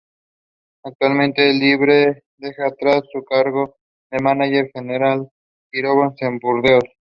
Actualmente está libre tras dejar su cargo de mánager general del Girondins de Burdeos.